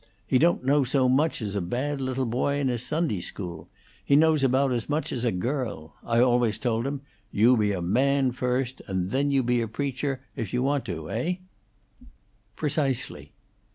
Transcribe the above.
He don't know so much as a bad little boy in his Sunday school; he knows about as much as a girl. I always told him, You be a man first, and then you be a preacher, if you want to. Heigh?" "Precisely."